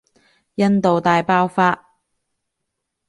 印度大爆發